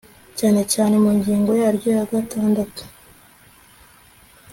cyane cyane mu ngingo yaryo ya gatandatu